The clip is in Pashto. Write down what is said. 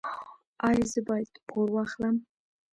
ایا زه باید پور واخلم؟